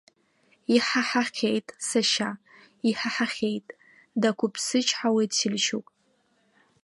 Иҳаҳахьеит, сашьа, иҳаҳахьеит, даақәыԥсычҳауеит Сельчук.